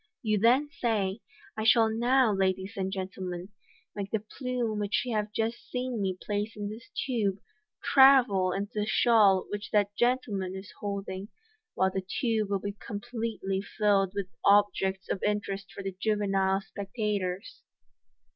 You then say, " I shall now, ladies and gentlemen, make the plume which you have just seen me place in this tube travel into the shawl which that gentleman is hold ing, while the tube will be completely filled with objects of interest for the juvenile spectators."